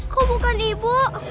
kok bukan ibu